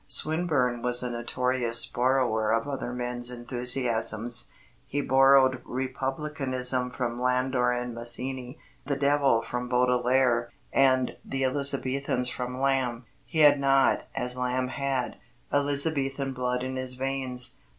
Swinburne was a notorious borrower of other men's enthusiasms. He borrowed republicanism from Landor and Mazzini, the Devil from Baudelaire, and the Elizabethans from Lamb. He had not, as Lamb had, Elizabethan blood in his veins.